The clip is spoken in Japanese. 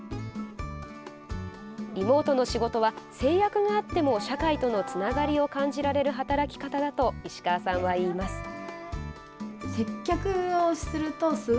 リモートの仕事は制約があっても社会とのつながりを感じられる働き方だと、石川さんは言います。